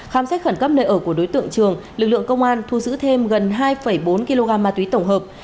khám xét khẩn cấp nơi ở của đối tượng trường lực lượng công an thu giữ thêm gần hai bốn kg ma túy tổng hợp